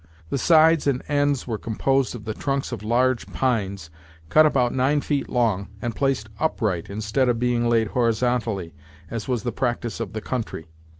The sides and ends were composed of the trunks of large pines, cut about nine feet long, and placed upright, instead of being laid horizontally, as was the practice of the country.